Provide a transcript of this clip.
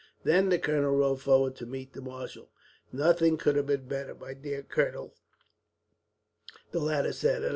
Then the colonel rode forward to meet the marshal. "Nothing could have been better, my dear colonel," the latter said.